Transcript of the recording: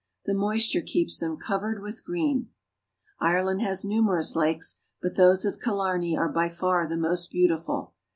The moisture keeps them covered with green. Ireland has numerous lakes, but those of Killarney are by far the most beautiful.